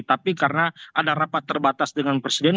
tapi karena ada rapat terbatas dengan presiden